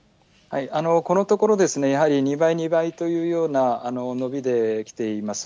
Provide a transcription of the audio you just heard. このところ、やはり２倍、２倍というような伸びできています。